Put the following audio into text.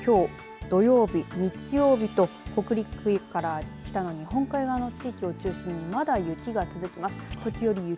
そして、きょう、土曜日日曜日と北陸から北の日本海側の地域を中心に、まだ雪が続きます。